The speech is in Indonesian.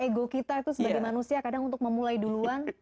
ego kita itu sebagai manusia kadang untuk memulai duluan